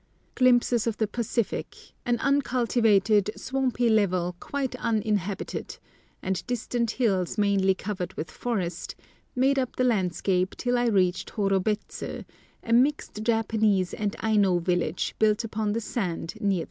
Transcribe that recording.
Glimpses of the Pacific, an uncultivated, swampy level quite uninhabited, and distant hills mainly covered with forest, made up the landscape till I reached Horobets, a mixed Japanese and Aino village built upon the sand near the sea.